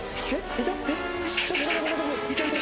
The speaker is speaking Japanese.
いた？